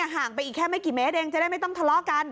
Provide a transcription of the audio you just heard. ห่างไปอีกแค่ไม่กี่เมตรเองจะได้ไม่ต้องทะเลาะกัน